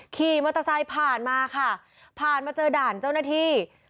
ขี่มอเตอร์ไซค์ผ่านมาค่ะผ่านมาเจอด่านเจ้าหน้าที่